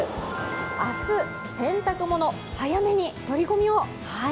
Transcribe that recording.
明日、洗濯物、早めに取り込みを！